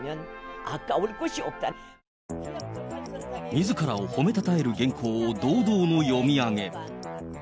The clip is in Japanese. みずからを褒めたたえる原稿を堂々の読み上げ。